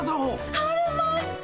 晴れました！